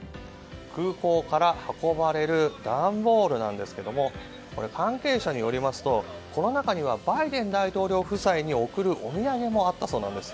空港から運ばれる段ボールなんですが関係者によりますと、この中にはバイデン大統領夫妻に贈るお土産もあったそうなんです。